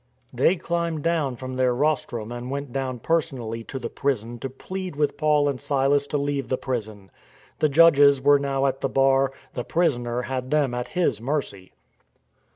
They climbed down from their rostrum and went down personally to the prison to plead with Paul and Silas to leave the prison. The judges were now at the bar; the prisoner had them at his mercy.